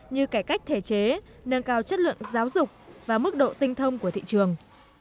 như cải cách thể chế nâng cao chất lượng giáo dục và mức độ tinh thông của thị trường